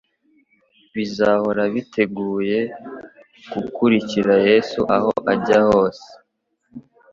Bazahora biteguye gukurikira Yesu aho ajya hose.